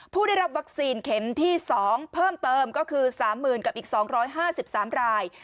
ผู้ได้รับวัคซีนเข็มที่๒เพิ่มเติมก็คือ๓๐๐๐กับอีก๒๕๓ราย